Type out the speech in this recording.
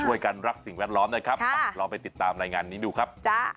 รักสิ่งแวดล้อมนะครับลองไปติดตามรายงานนี้ดูครับ